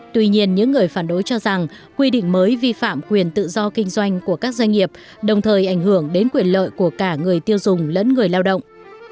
tuy nhiên những người phản đối cho rằng quy định mới vi phạm quyền tự do kinh doanh của các doanh nghiệp đồng thời ảnh hưởng đến quyền lợi của cả người tiêu dùng lẫn người lao động